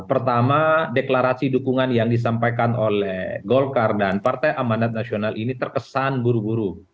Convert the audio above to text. pertama deklarasi dukungan yang disampaikan oleh golkar dan partai amanat nasional ini terkesan buru buru